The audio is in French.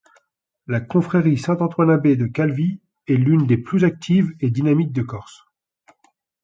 La confrérie Saint-Antoine-Abbé de Calvi est l'une des plus actives et dynamiques de Corse.